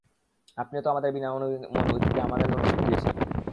আপনিও তো আমদের বিনা অনুমতিতে আমাদের নোটিশ পাঠিয়েছেন!